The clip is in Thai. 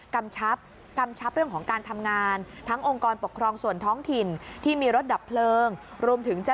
กำชับกำชับเรื่องของการทำงานทั้งองค์กรปกครองส่วนท้องถิ่นที่มีรถดับเพลิงรวมถึงจะ